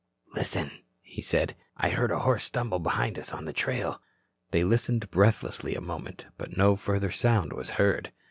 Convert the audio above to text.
"Listen," he said. "I heard a horse stumble behind us on the trail." They listened breathlessly a moment, but no further sound was heard.